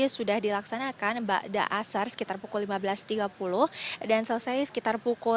selamat sore laisa